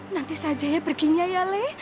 nanti saja ya perginya ya le